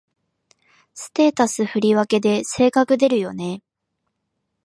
ステータス振り分けで性格出るよね